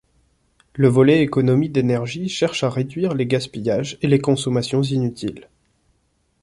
Le volet économies d'énergie cherche à réduire les gaspillages et les consommations inutiles.